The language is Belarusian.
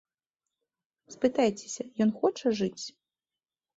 Спытайцеся, ён хоча жыць?